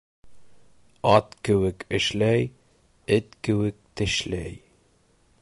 Ат кеүек эшләй, эт кеүек тешләй.